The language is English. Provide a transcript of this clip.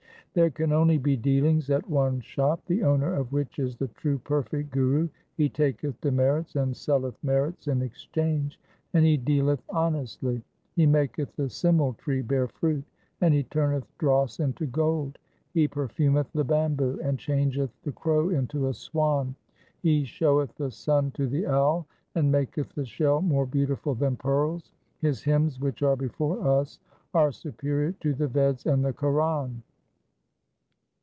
4 There can only be dealings at one shop, the owner of which is the true perfect Guru. He taketh demerits and selleth merits in exchange, and he dealeth honestly. He maketh the simmal tree bear fruit, and he turneth dross into gold. He perfumeth the bamboo, and changeth the crow into a swan. He showeth the sun to the owl, and maketh the shell more beautiful than pearls. His hymns which are before us are superior to the Veds and the Quran.